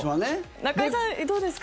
中居さん、どうですか？